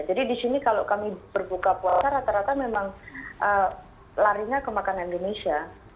jadi di sini kalau kami berbuka puasa rata rata memang larinya ke makanan indonesia